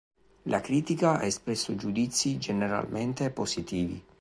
La critica ha espresso giudizi generalmente positivi.